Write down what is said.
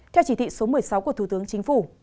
theo chỉ thị số một mươi sáu của thủ tướng chính phủ